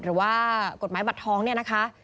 หรือว่ากฎหมายบัตรท้องเนี่ยนะคะ